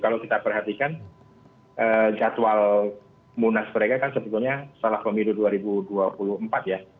kalau kita perhatikan jadwal munas mereka kan sebetulnya setelah pemilu dua ribu dua puluh empat ya